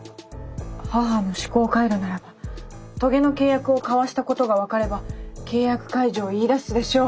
母の思考回路ならば棘の契約を交わしたことが分かれば契約解除を言いだすでしょう。